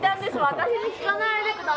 私に聞かないで下さい。